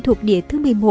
thuộc địa thứ một mươi một